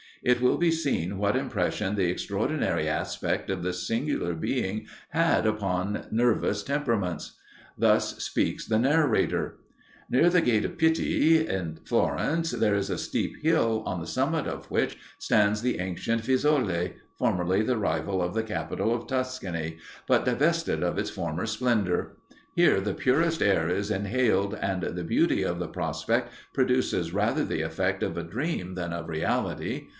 It will be seen what impression the extraordinary aspect of this singular being had upon nervous temperaments. Thus speaks the narrator: "Near the gate of Pitti, at Florence, there is a steep hill, on the summit of which stands the ancient Fiesole, formerly the rival of the capital of Tuscany, but divested of its former splendour. Here the purest air is inhaled, and the beauty of the prospect produces rather the effect of a dream than of reality.